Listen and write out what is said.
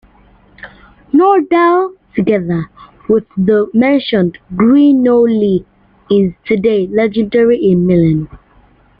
Nordahl, together with the mentioned Gre-No-Li is today legendary in Milan.